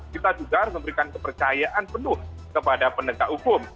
kita juga harus memberikan kepercayaan penuh kepada penegak hukum